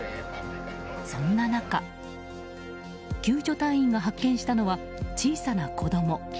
そんな中、救助隊員が発見したのは小さな子供。